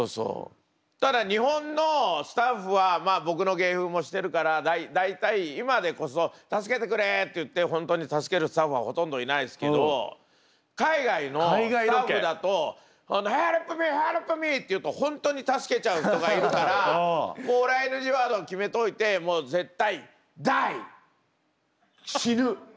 ただ日本のスタッフは僕の芸風も知ってるから大体今でこそ「助けてくれ！」って言って本当に助けるスタッフはほとんどいないんすけど海外のスタッフだと「ヘルプミー！ヘルプミー！」って言うと本当に助けちゃう人がいるから俺はＮＧワードを決めといてもう絶対「Ｄｉｅ！」「死ぬ！」